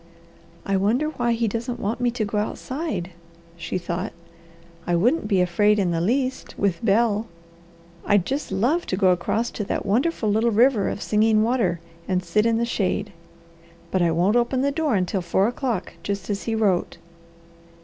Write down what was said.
"I wonder why he doesn't want me to go outside," she thought. "I wouldn't be afraid in the least, with Bel. I'd just love to go across to that wonderful little river of Singing Water and sit in the shade; but I won't open the door until four o'clock, just as he wrote."